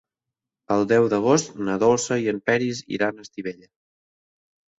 El deu d'agost na Dolça i en Peris iran a Estivella.